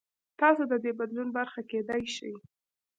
تاسو د دې بدلون برخه کېدای شئ.